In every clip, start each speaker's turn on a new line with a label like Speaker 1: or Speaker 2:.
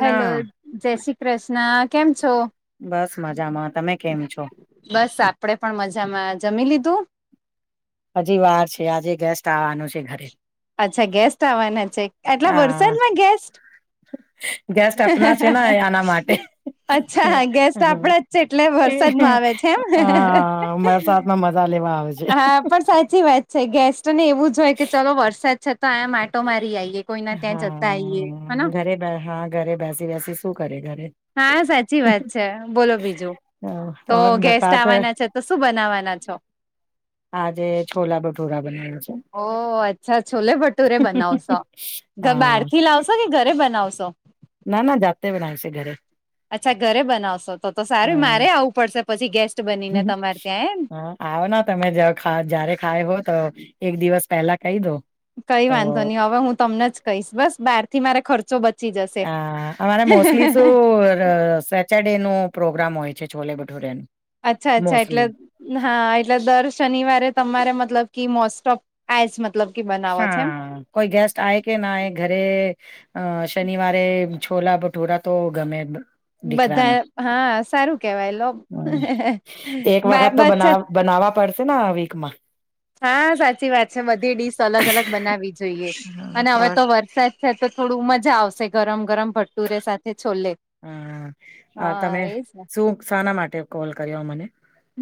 Speaker 1: Hello જય શ્રી કૃષ્ણ કેમ છો
Speaker 2: બસ મજામાં તમે કેમ છો
Speaker 1: બસ આપડે પણ મજામાં જમી લીધું
Speaker 2: હજી વાર છે આજે ગેસ્ટ આવવાનો છે ઘરે
Speaker 1: અચ્છા ગેસ્ટ આવવાના છે આટલા
Speaker 2: હા
Speaker 1: વરસાદમાં ગેસ્ટ
Speaker 2: ગેસ્ટ આપના છે ને આના માટે
Speaker 1: [inaudible] અચ્છા ગેસ્ટ આપડા જ છે એટલે વરસાદમાં આવે છે એમ
Speaker 2: હા [unintelligible]
Speaker 1: હા પણ સાચી વાત છે ગેસ્ટને એવું જ હોય કે ચલો વરસાદ છે તો આમ માટો મારી આઈએ કોઈના ત્યાં જતા આઈએ
Speaker 2: હા
Speaker 1: હને
Speaker 2: ઘરે હા ઘરે બેસી બેસી શું કરે ઘરે
Speaker 1: હા સાચી વાત છે બોલો બીજું
Speaker 2: હ,
Speaker 1: તો
Speaker 2: ઓર
Speaker 1: ગેસ્ટ
Speaker 2: બરસાત
Speaker 1: આવવાના છે તો શું બનાવવાના છો
Speaker 2: આજે છોલા ભટોરા બનાવે છે
Speaker 1: ઓ અચ્છા છોલે ભટુરે બનાવશો તો બહાર
Speaker 2: હા
Speaker 1: થી લાવશો કે ઘરે બનાવશો
Speaker 2: ના, ના, જાતે બનાવશે ઘરે
Speaker 1: અચ્છા ઘરે બનાવશો તો તો સારું
Speaker 2: હમ
Speaker 1: મારેય આવવું પડશે પછી ગેસ્ટ બનીને તમારે ત્યાં એમ
Speaker 2: આવોન તમે જયારે ખાવ ત્યારે ખાહો તો એક દિવસ પહેલા કહી દો
Speaker 1: કઈ
Speaker 2: તો
Speaker 1: વાંધો ની હવે હું તમને જ કહીશ બસ બારથી મારા ખર્ચો બ
Speaker 2: હા, અમારે મોસ્ટલી શું સેટરડે નો પ્રોગ્રામ હોય છે છોલે ભઠુરે ન
Speaker 1: અચ્છા અચ્છા એટલે હા એટલે દર શનિવારે તમારે મતલબ કે મોસ્ટ ઓફ આઈસ મતલબ કે બનાવો છે એમ
Speaker 2: હા, કોઈ ગેસ્ટ આય કે ના આય ઘરે અ શનિવારે છોલા ભઠોરા તો ગમે દીકરાનો
Speaker 1: બધા, હા સારું કેવાયલો
Speaker 2: હમ એક વખત
Speaker 1: દાળ
Speaker 2: તો
Speaker 1: ભાત
Speaker 2: બના બનાવવા પડશે ને આ વીક માં
Speaker 1: હા, સાચી વાત છે બધી ડીશ અલગ અલગ બનાવી જોઈએ અને
Speaker 2: હા
Speaker 1: હવે
Speaker 2: ઓર
Speaker 1: તો વરસાદ તો થોડું મજા આવશે ગરમ ગરમ ભટુરે સાથે છોલે
Speaker 2: હા, તમે
Speaker 1: એજ ને
Speaker 2: શું શાના માટે કોલ કર્યો મને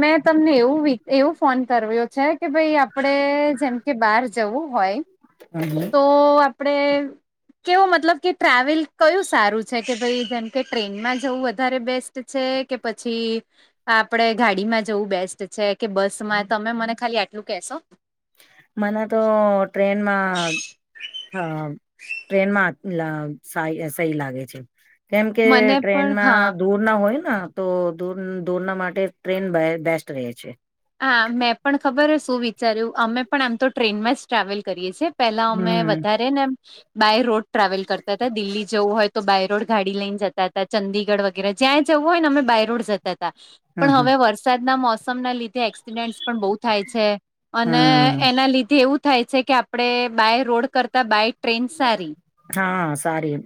Speaker 1: મેં તમને એવું એવું ફોન કર્યો છે કે ભાઈ આપડે જેમ કે બહાર જવું હોય
Speaker 2: હમ, હમ.
Speaker 1: તો આપડે કેવો મતલબ કે ટ્રાવેલ કયું સારું છે કે ભઈ જેમ કે ટ્રેનમાં જવું વધારે બેસ્ટ છે કે પછી આપડે ગાડીમાં જવું બેસ્ટ છે કે બસ માં તમે મને ખાલી આટલું કેશો
Speaker 2: મને તો ટ્રેનમાં અ ટ્રેનમાં લઈ સહી લાગે છે કેમ કે
Speaker 1: મને પણ
Speaker 2: ટ્રેનમાં
Speaker 1: હા
Speaker 2: દૂર ના હોય તો દોરના માટે ટ્રેન બેસ્ટ રહે છે
Speaker 1: હા, મેં પણ ખબર શું વિચાર્યું અમે પણ આમ તો ટ્રેનમાં જ ટ્રાવેલ કરીએ છીએ પેલા અમે
Speaker 2: હમ
Speaker 1: વધારે ને બાય રોડ ટ્રાવેલ કરતા હતા દિલ્હી જવું હોય તો બાય રોડ ગાડી લઈને જતા હતા ચંદીગઢ જ્યાં જવું હોય ને અમે બાયરોડ જતા હતા
Speaker 2: હમ
Speaker 1: પણ
Speaker 2: હમ
Speaker 1: હવે વરસાદના મોસમ ના લીધે એકસીડન્ટ પણ બહુ થાય અને
Speaker 2: હમ
Speaker 1: એના લીધે એવું થાય છે કે આપણે બાય રોડ કરતા બાઈ
Speaker 2: હા, સારી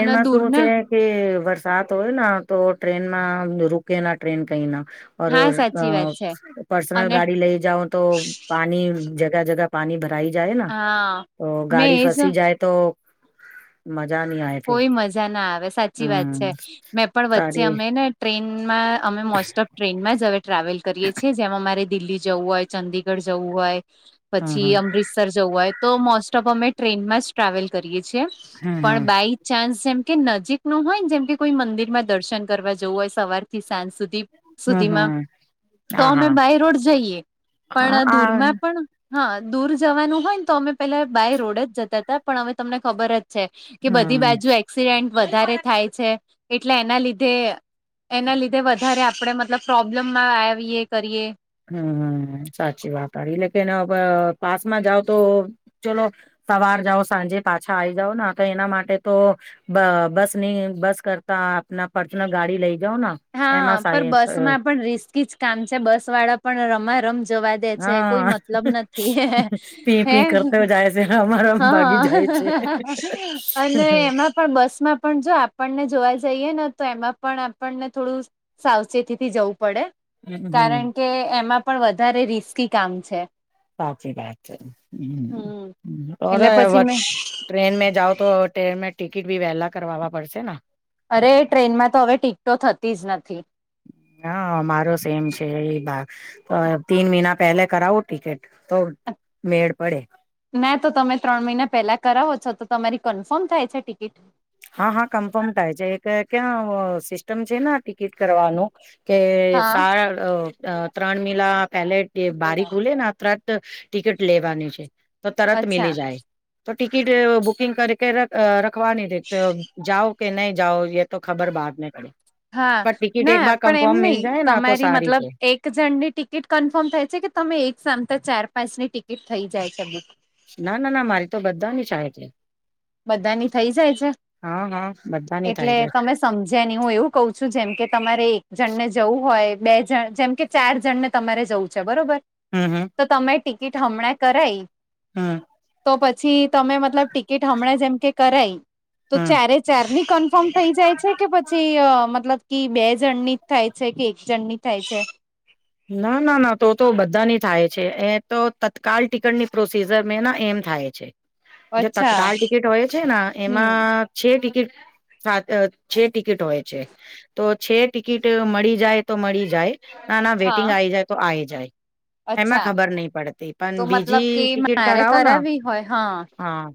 Speaker 1: અને
Speaker 2: શું
Speaker 1: દૂરના
Speaker 2: છે કે વરસાદ હોય ના તો ટ્રેનમાં રૂકે ના ટ્રેન કઈ ના ઓર
Speaker 1: હા
Speaker 2: અ
Speaker 1: સાચી વાત છે
Speaker 2: પર્સનલ
Speaker 1: અને
Speaker 2: ગાડી લઈ જાઓ તો પાની જગહ જગહ પાની ભરાઈ જાયન
Speaker 1: હા
Speaker 2: તો
Speaker 1: મેં
Speaker 2: ગાડી
Speaker 1: એજ
Speaker 2: ફસી જાય તો મજા ની આય
Speaker 1: કોઈ મજા ના આવે સાચી વાત છે, મેં પણ વચ્ચે
Speaker 2: સારી
Speaker 1: અમે ને ટ્રેનમાં અમે મોસ્ટ ઓફ ટ્રેનમાં જ હવે ટ્રાવેલ કરીએ છીએ જેમાં અમારે દિલ્હી જવું હોય ચંદીગઢ જવું હોય
Speaker 2: હમ
Speaker 1: પછી
Speaker 2: હમ
Speaker 1: અમૃત જવું હોય તો મોસ્ટ ઓફ અમે ટ્રેનમાં જ ટ્રાવેલ કરીએ છીએ
Speaker 2: હમ હમ
Speaker 1: પણ બાય ચાન્સ જેમ કે નજીક નું હોય ને જેમ કે કોઈ મંદિર માં દર્શન કરવા જવું હોય સે સવારથી સાંજ સુધી પ
Speaker 2: હમ
Speaker 1: સુધીમાં,
Speaker 2: હમ
Speaker 1: તો
Speaker 2: હા
Speaker 1: અમે
Speaker 2: હા
Speaker 1: બાય રોડ જઈએ,
Speaker 2: હા
Speaker 1: પણ
Speaker 2: આ
Speaker 1: દૂરમાં પણ હા, દૂર જવાનું હોય ને તો અમે પેલા બાય રોડ જ જતા તા પણ હવે તમને ખબર જ છે કે બધ
Speaker 2: હમ
Speaker 1: એક્સિડેન્ટ વધારે થાય છે એટલે એના લીધે. એના લીધે વધારે આપણે મતલબ પ્રોબ્લેમમાં આવીએ કરીએ.
Speaker 2: હમ સાચી વાત આ લેક પાસમાં જાવ તો. ચલો સવાર જાઓ સાંજે પાછા આવી જાઓ ના તો એના માટે તો. બ બસ ની બસ કરતા આપના પર્સનલ ગાડી લઈ જાઓ ના.
Speaker 1: હા પણ બસ માં પણ રિસ્કી જ કામ છે બસ વાળા પણ રમા રમ જવા દે. દે છે કોઈ
Speaker 2: હા
Speaker 1: મતલબ નથી હે
Speaker 2: એસે અમારો
Speaker 1: હા અને
Speaker 2: હમ
Speaker 1: એમા પણ બસ માં પણ જો આપણને જોવા જઈએ ને તો એમાં પણ આપણને થોડું સાવચેતીથી જવું પડે.
Speaker 2: હમ
Speaker 1: કારણ કે એમાં પણ વધારે રિસ્કી કામ છે.
Speaker 2: સાચી વાત છે.
Speaker 1: હમ એટલે પછી
Speaker 2: તોરાહ
Speaker 1: મેં
Speaker 2: ટ્રેન મે જાવ તો ટ્રેનમાં ટિકિટ બી વહેલા કરવા પડશે ના
Speaker 1: અરે ટ્રેનમાં તો હવે ટિકટો થતી જ નથી.
Speaker 2: હા મારો સેમ છે એ બાગ તો તીન મહિના પહેલે કરાવું ટિકિટ તો મેળ પડે.
Speaker 1: ના તો તમે ત્રણ મહિના પહેલા કરાવો છો તો તમારી કન્ફર્મ થાય છે ટિકિટ?
Speaker 2: હા હા કન્ફર્મ થાય છે એક ક્યાં સિસ્ટમ છે ને ટિકિટ કરવાનું કે
Speaker 1: હા
Speaker 2: સા ત્રણ મિલા પેલે બારીક હુલે ને અ ત્રણ ટિકિટ લેવાની છે તો તરત
Speaker 1: અચ્છા
Speaker 2: મિલી જાય. તો ટિકિટ બુકિંગ કરી કે રખવાની રે તો જાવ કે નહી જાઓ એ તો ખબર બહાર પડી
Speaker 1: હા ના પણ એમ નહ
Speaker 2: જાય ને તો
Speaker 1: તમારી
Speaker 2: સારી
Speaker 1: મતલબ
Speaker 2: છે
Speaker 1: એક જણની ટિકિટ કન્ફર્મ થાય છે કે તમે એક સામતા ચાર પાંચની ટિકિટ થઈ જાય છે બધી
Speaker 2: ના ના ના મારી તો બધાની થાય છે.
Speaker 1: બધાની થઈ જાય છે
Speaker 2: હા હા બધાની થાય
Speaker 1: એટલે
Speaker 2: છે
Speaker 1: તમે શું સમજે ને હું એવું કઉ છું જેમ કે તમારે એક જણ ને જવું હોય જેમ બે જણ જેમ કે ચાર જણને તમારે જવું છે બરોબર
Speaker 2: હમ હમ.
Speaker 1: તો તમે ટિકિટ હમણાં કરાઈ.
Speaker 2: હમ.
Speaker 1: તો પછી તમે મતલબ ટિકિટ હમણાં જેમ કે કરાઈ તો
Speaker 2: હમ
Speaker 1: ચારેય જ ચાર ની કન્ફર્મ થઈ જાય છે કે પછી મતલબ કે બે જણની જ થાય છે કે એક જણની થાય છે?
Speaker 2: ના ના ના તો તો બધાની થાય છે એ તો તત્કાલ ટીકટની પ્રોસીઝર મેં ના એમ થાય છે. જો
Speaker 1: અચ્છા
Speaker 2: તત્કાલ ટિકિટ હોય છે ના
Speaker 1: હમ
Speaker 2: એમાં છે ટિકિટ સાત છે ટિકિટ હોય છે તો છે ટિકિટ મળી જાય તો મળી જાય ના ના
Speaker 1: હા
Speaker 2: વેટિંગ આવી જાય તો આ જાય એમાં
Speaker 1: અચ્છા
Speaker 2: ખબર નહી પડતી
Speaker 1: તો
Speaker 2: પણ
Speaker 1: મતલબ
Speaker 2: બીજી
Speaker 1: કે
Speaker 2: ટિકિટ
Speaker 1: મારે
Speaker 2: કરાવો ને
Speaker 1: કરાવી હોય હા
Speaker 2: હા.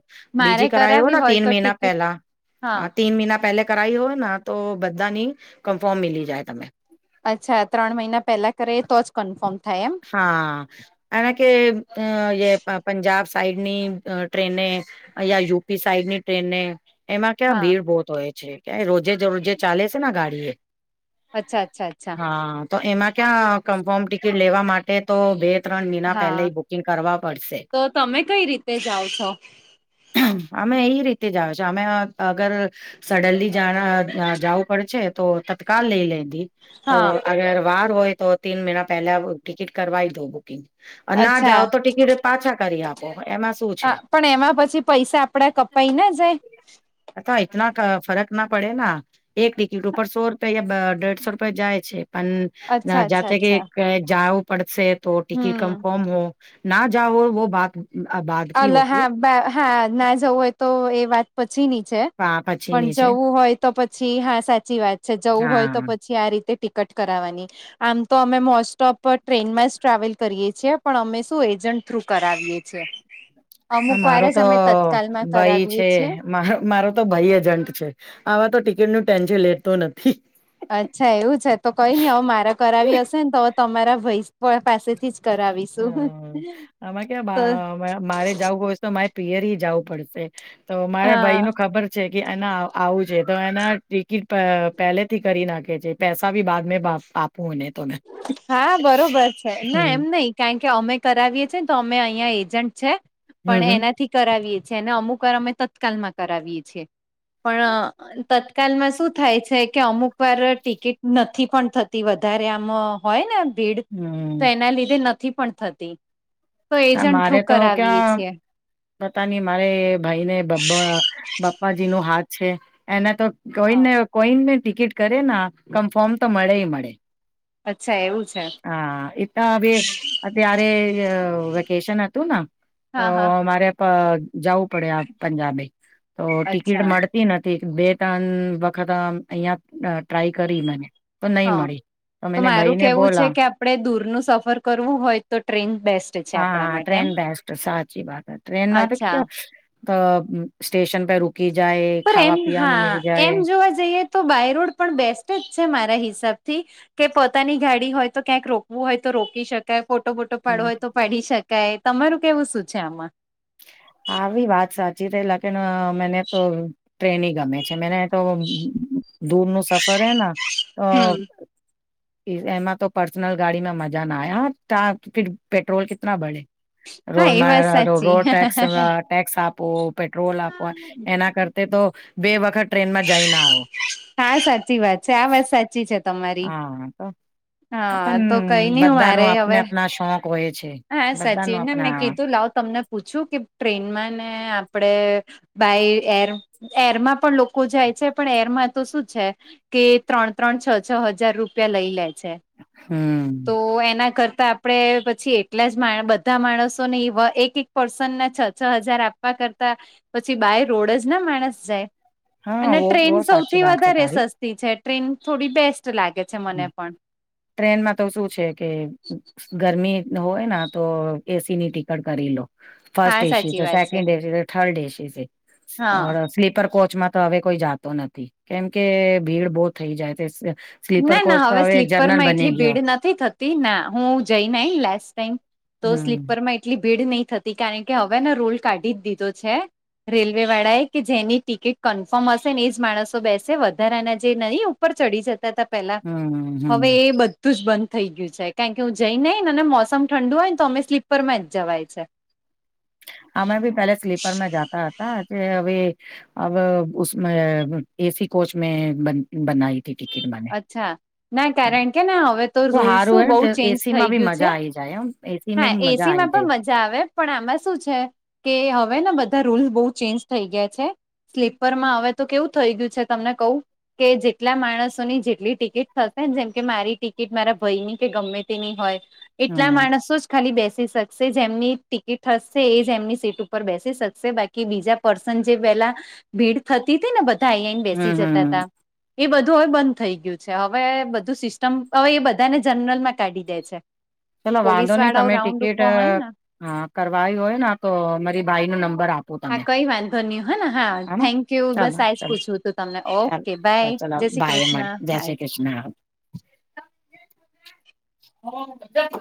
Speaker 1: મારે
Speaker 2: બીજી કરાય હો
Speaker 1: કરાવી
Speaker 2: ના
Speaker 1: હોય
Speaker 2: તીન
Speaker 1: તો
Speaker 2: મહિના
Speaker 1: ટિકિટ
Speaker 2: પેલા.
Speaker 1: હા.
Speaker 2: તીન મહિના પહેલે કરા ઈ હો ના તો બધાની કન્ફર્મ મિલી જાય તમે ટી
Speaker 1: અચ્છા ત્રણ મહિના પહેલા કરાઈ યે તો જ કન્ફોર્મ થાય એમ?
Speaker 2: હા અને કે યે બ પંજાબ સાઈડની ટ્રેને યા યુપી સાઈડની ટ્રેને એમાં ક્યાં
Speaker 1: હા,
Speaker 2: ભીડ બહુત હોય છે કયારે રોજે રોજે ચાલે છે ને આ ગાડી એ
Speaker 1: અચ્છા અચ્છા અચ્છા
Speaker 2: હાં તો એમાં ક્યાં કન્ફર્મ ટિકિટ લેવા માટ ટે તો બે ત્રણ મહિના
Speaker 1: અચ્છા
Speaker 2: પેલાય બુકિંગ કરવા પડશે
Speaker 1: તો તમે કઈ રીતે જાઓ છો?
Speaker 2: અમે ઈ રીતે જ આવે છે અમે અગર સડનલી જાણા જાવું પડે છે તો તત્કાલ લેઈ લેય તી તો
Speaker 1: હા
Speaker 2: અગર વાર હોય તો તીન મહિના પહેલા ટિકીટ કરવાઈ દે બુકિંગ અન ના
Speaker 1: અચ્છા
Speaker 2: જાઓ તો ટિકિટ પાછા કરી આપે એમાં શું છે
Speaker 1: હા, પણ એ કપાઈ ન જાય
Speaker 2: અથવા ઈતના ક ફરક ના પડે ના એક ટિકિટ ઉપર સો રૂપિયા યા બ દેઢસો રૂપે જાય છે પણ
Speaker 1: અચ્છા અચ્છા
Speaker 2: જાતે
Speaker 1: અચ્છા
Speaker 2: કે જાવુ પડશે તો ટિકિટ
Speaker 1: હમ
Speaker 2: કન્ફર્મ હો ના જાઓ વો બાત બાત
Speaker 1: અલ હા હા ના જવું હોય એ વાત પછી ની છે
Speaker 2: હૈ
Speaker 1: પણ
Speaker 2: પછીની છે
Speaker 1: જવું હોય તો પછી હા સાચી વાત છે જવું હોય તો
Speaker 2: હા
Speaker 1: પછી આ રીતે ટિકટ કરાવાની આમ તો અમે મોસ્ટ ઓફ ટ્રેનમાં જ ટ્રાવેલ કરીએ છીએ પણ અમે શું એજન્ટ થ્રુ કરાવીએ છે
Speaker 2: હ મારો તો ભાઈ
Speaker 1: કરાવીએ
Speaker 2: છે
Speaker 1: છીએ.
Speaker 2: માં હ મારો તો ભઈ એજન્ટ છે આવા તો ટિકિટનું ટેન્શન લેતો નથી
Speaker 1: અચ્છા એવું છે તો કંઈ ની હવે મારે કરાવી હશે ને તો તમારા ભઈ પાસેથી જ કરાવીશું.
Speaker 2: હં આમાં ક્યા
Speaker 1: તો
Speaker 2: બા મારે જાવું હ તો મારે પિયરેય જાવું પડશે તો મારા
Speaker 1: હા
Speaker 2: ભાઈનો ખબર છે કે ના આ આવવું છે તો એના ટિકિટ પ પેલે થી કરી નાખે છે પેસા ભી બાદમેં પાસ આપ પુને તો મેં
Speaker 1: હા બરોબર છે ના
Speaker 2: હમ્મ.
Speaker 1: એમ નઈ કારણ કે અમે કરાવીએ છીએ ને તો અમે અઈયા એજન્ટ છે
Speaker 2: હમ્મ
Speaker 1: પણ
Speaker 2: હમ્મ.
Speaker 1: એનાથી કરાવીએ છે ને અમુક વાર અમે તત્કાલમાં કરાવીએ છીએ પણ અ તત્કાલમાં શું થાય છે કે અમુક વાર ટિકિટ નથી પણ થતી વધારે આ મ હોય ને ભીડ તો
Speaker 2: હમ્મ
Speaker 1: એના લીધે નથી પણ થતી તો એજન્ટ થ્રુ
Speaker 2: મારે તો
Speaker 1: કરાવીએ
Speaker 2: ક્યાં
Speaker 1: છીએ
Speaker 2: પતા નઈ મારે ભાઈને બાબ્બા બાપ્પાજીનો હાથ છે એને તો
Speaker 1: હા.
Speaker 2: કોઈને કોઈને ટિકિટ કરે ના કન્ફર્મ તો મળેય મળે
Speaker 1: અચ્છા એવું છે
Speaker 2: હાં એ તા અવે અત્યારે અ વેકેશન અતું ના તો
Speaker 1: હા હા
Speaker 2: મા પ જાવું પડે આ પંજાબે તો ટિકિટ
Speaker 1: અચ્છા
Speaker 2: મળતી નથી બે તન વખત અ અઈયા ટ્રાય કરી મને પણ નઈ
Speaker 1: હા
Speaker 2: મળી
Speaker 1: તો
Speaker 2: મેને ભાઈ
Speaker 1: મારું
Speaker 2: ને
Speaker 1: કેવું છે
Speaker 2: બોલા
Speaker 1: કે આપણે દૂરનું સફર કરવું હોય તો ટ્રેન બેસ્ટ છે આપડા માટે એમ
Speaker 2: તો સાચી બાત હ ટ્રેન ના તો
Speaker 1: અચ્છા
Speaker 2: કેવા અ સ્ટેશન પે રૂ કી જાય
Speaker 1: પર એમ
Speaker 2: ખાવા પીવાનું
Speaker 1: હા
Speaker 2: મિલ જાય
Speaker 1: એમ જોવા જઈએ તો બાયરોડ પણ બેસ્ટ જ છે મારા હિસાબથી કે પોતાની ગાડી હોય તો ક્યાંક રોકવું હોય તો રોકી શક કે ફોટો બોટો પાડવો
Speaker 2: હમ.
Speaker 1: હોય તો પાડી શકાય તમારું કેવું શું છે આમાં
Speaker 2: આવી વાત સાચી છે લેકીન મેને તો ટ્રેને ગમે છે મને તો દૂરનું સફર હેના અ
Speaker 1: હમ.
Speaker 2: એમાં તો પર્સનલ ગાડી મે મજા ના આયા [unintelligible] પેટ્રોલ કીતના બઢે
Speaker 1: હા એ વાત સાચી
Speaker 2: [unintelligible] ટેક્સ આપો પેટ્રોલ આપો એના કરતા તો બે વખત ટ્રેનમાં જઈના આવો.
Speaker 1: હા સાચી વાત છે આ વાત સાચી છે. તમારી
Speaker 2: હા તો
Speaker 1: હા તો કઈ
Speaker 2: પણ
Speaker 1: નઈ હું
Speaker 2: બધા ન
Speaker 1: મારે
Speaker 2: આપને
Speaker 1: હવે
Speaker 2: આપના શોખ હોય છે
Speaker 1: હા
Speaker 2: બધા ન
Speaker 1: સચિન ને મેં
Speaker 2: આપણા
Speaker 1: કીધું લાવ તમને પૂછું કે ટ્રેનમાં ને આપડે બાય એર એરમાં પણ લોકો જાય છે પણ એરમાં તો શું છે કે ત્રણ ત્રણ છ છ હજાર રૂપિયા લઈ લે છે.
Speaker 2: હમ
Speaker 1: તો એના કરતા આપણે પછી એટલા જ બધા માણસોને એક એક પર્સનને છ છ હજાર આપવા કરતા પછી બાય રોડ જ ના માણસ જાય.
Speaker 2: હા
Speaker 1: અને
Speaker 2: વો
Speaker 1: ટ્રેન
Speaker 2: વો સાચી
Speaker 1: સૌથી
Speaker 2: વાત છે તારી.
Speaker 1: [unintelligible] છે ટ્રેન થોડી બેસ્ટ લાગે છે
Speaker 2: હમ
Speaker 1: મને પણ
Speaker 2: ટ્રેનમાં તો શું છે કે ગરમી હોય ના તો એસી ની ટીકટ કરી લો ફર્સ્ટ
Speaker 1: હા
Speaker 2: એસી,
Speaker 1: સાચી વાત છે
Speaker 2: સેકન્ડ એસી થર્ડ એસી સે
Speaker 1: હા
Speaker 2: સ્લીપર કોચમાં તો હવે કોઈ જાતો નથી કેમકે ભીડ બહુ થઈ જાય તે
Speaker 1: ના ના હવે સ્લીપર માં એટલી ભીડ નથી થતી ના હું જઈને આઈ લાસ્ટ ટાઈમ તો
Speaker 2: હમ
Speaker 1: સ્લીપર માં એટલી ભીડ નહી થતી કારણ કે હવે ને રુલ કાઢી જ દીધો છે. રેલવે વાળા એ કે જેની ટિકીટ કન્ફર્મ હશે ને એજ માણસો બેસે વધારાના જે નહીં ઉપર ચડી જતા હતા પેલા
Speaker 2: હમ હમ
Speaker 1: હવે એ બધુ જ બંધ થઈ ગયું છે કારણ કે હું જઈન ને આઈને અને મોસમ ઠંડુ હોય ને તો અમે સ્લીપરમાં જ જવાય છે.
Speaker 2: અમે બી પહેેલા સ્લીપરમાં જાતા હતા જે હવે અબ ઉસમેં એસી કોચ મે બન બનાઇ
Speaker 1: અચ્છા ના કારણ કે ના હવે તો રૂલ્સ
Speaker 2: સારું
Speaker 1: શું
Speaker 2: હોય
Speaker 1: બહુ
Speaker 2: ને
Speaker 1: ચેન્જ
Speaker 2: એસી માં
Speaker 1: થઈ
Speaker 2: બી
Speaker 1: ગયું છે.
Speaker 2: મજા આઈ જાય એમ એસી મે
Speaker 1: હા
Speaker 2: બી મજા
Speaker 1: એસી
Speaker 2: આઈ
Speaker 1: માં
Speaker 2: જાય
Speaker 1: પણ મજા આવે પણ આમાં શું છે કે હવે બધા રૂલ બહુ ચેન્જ થઇ ગયા છે. સ્લીપરમાં હવે તો કેવું થઈ ગયું છે તમને કહું કે જેટલા માણસો ની જેટલી ટિકિટ થશેને જેમ કે મારી ટિકિટ મારા ભયની કે ગમે તેની હોય એટલા
Speaker 2: હમ
Speaker 1: માણસો જ ખાલી બેસી શકશે જેમની ટિકિટ હશે એજ એમની સીટ ઉપર બેસી શકશે બા કી બીજા પર્સન જે પેલા ભીડ થતી હતી ને બ ધા આઈને બેસી
Speaker 2: હમ હમ
Speaker 1: જતા હતા એ બધું હવે બંધ થઈ ગયું છે હવે બધું સિસ્ટમ હવે એ બધાને જનરલ માં કાઢી દે છે.
Speaker 2: ચલો વાંધો
Speaker 1: પોલીસ
Speaker 2: નહી
Speaker 1: વાળાઓ
Speaker 2: તમે
Speaker 1: રાઉન્ડ
Speaker 2: ટિકિટ
Speaker 1: ઉપર હોય ને
Speaker 2: કરવાય હોયને તો મારી બાઈ નો નંબર આ
Speaker 1: હા કઈ વાંધો નહીં હ હા થેન્ક યુ
Speaker 2: ચાલો
Speaker 1: બસ આજ
Speaker 2: ચાલો
Speaker 1: પૂછવું તું તમને
Speaker 2: ચાલો
Speaker 1: ઓકે બાય
Speaker 2: ચાલો
Speaker 1: જય શ્રી
Speaker 2: બાય મળ
Speaker 1: કૃષ્ણ
Speaker 2: [inaudible] [inaudible]